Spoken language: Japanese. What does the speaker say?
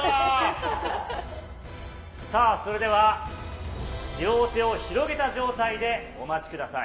それでは両手を広げた状態でお待ちください。